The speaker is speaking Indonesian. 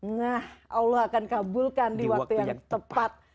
nah allah akan kabulkan di waktu yang tepat